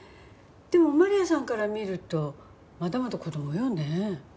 でもマリアさんから見るとまだまだ子供よね。